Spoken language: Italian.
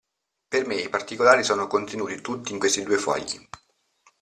Per me i particolari sono contenuti tutti in questi due fogli.